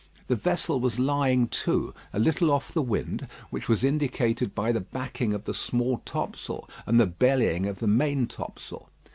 The vessel was lying to, a little off the wind, which was indicated by the backing of the small topsail, and the bellying of the main topsail.